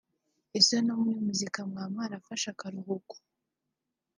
Ese no muri muzika mwaba mwarafashe akaruhuko